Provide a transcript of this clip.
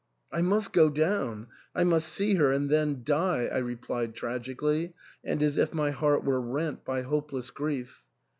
" I must go down — I must see her and then die," I replied tragically, and as if my heart were rent by hopeless grief.